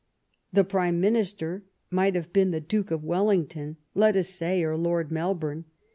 The Prime Minister might have been the Duke of Wellington, let us say, or Lord Melbourne.